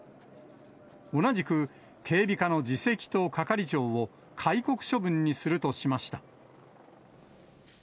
同じく警備課の次席と係長を戒告処分にするとしました。